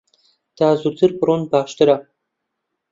تا زووتر بڕۆن باشترە.